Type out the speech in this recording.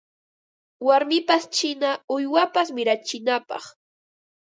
Warmipas china uywapas mirachinapaq